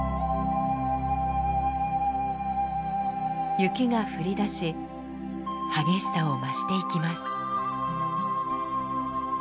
雪が降りだし激しさを増していきます。